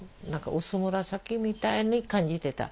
薄紫みたいに感じてた。